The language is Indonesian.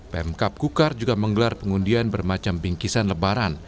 pemkap kukar juga menggelar pengundian bermacam bingkisan lebaran